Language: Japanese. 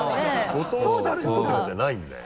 ご当地タレントって感じじゃないんだよ。